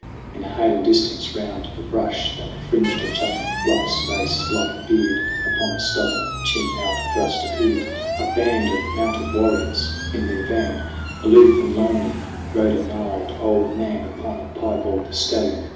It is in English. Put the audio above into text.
in hailing distance 'round the brush That fringed a jutting bluff's base like a beard Upon a stubborn chin out thrust, appeared A band of mounted warriors ! In their van Aloof and lonely rode a gnarled old man Upon a piebald stallion.